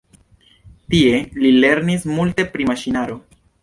Tie li lernis multe pri maŝinaro.